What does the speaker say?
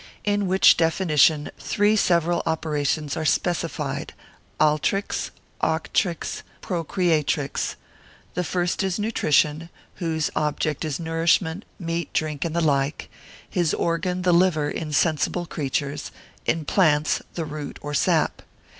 In which definition, three several operations are specified—altrix, auctrix, procreatrix; the first is nutrition, whose object is nourishment, meat, drink, and the like; his organ the liver in sensible creatures; in plants, the root or sap.